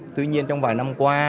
tuy nhiên trong vài năm qua